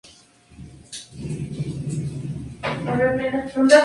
El rabino Natán preservó las enseñanzas del Rebe.